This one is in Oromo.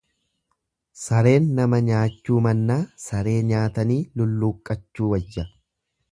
Sareen nama nyaachuu mannaa saree nyaatanii lulluuqqachuu wayya.